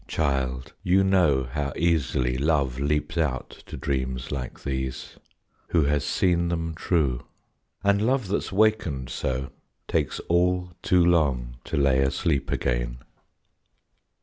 Child, you know How easily love leaps out to dreams like these, Who has seen them true. And love that's wakened so Takes all too long to lay asleep again.